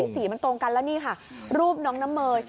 สีมันตรงกันแล้วนี่ค่ะรูปน้องน้ำเมย